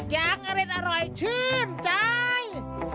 แจ๊งอะไรอร่อยชื่นใจ